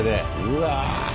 うわ。